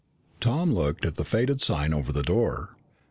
Tom looked at the faded sign over the door.